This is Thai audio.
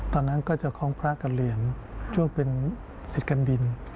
ตอนนั้นก็จะคล้องพระกับเหรียญช่วงเป็นสิทธิ์การบิน